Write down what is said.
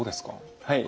はい。